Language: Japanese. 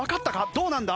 どうなんだ？